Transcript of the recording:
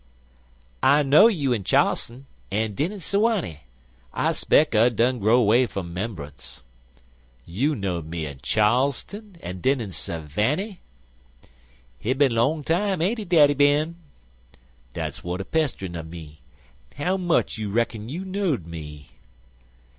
"I know you in Char'son, an' den in Sewanny. I spec I dun grow away from 'membrance." "You knowed me in Charlstun, and den in Savanny?" "He been long time, ain't he, Daddy Ben?" "Dat's w'at's a pesterin' un me. How much you reckon you know'd me?"